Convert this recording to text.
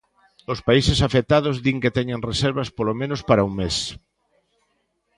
Os países afectados din que teñen reservas polo menos para un mes.